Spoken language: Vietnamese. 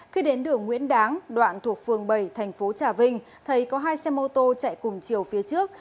khi đến đường nguyễn đáng đoạn thuộc phường bảy tp trà vinh thầy có hai xe mô tô chạy cùng chiều phía trước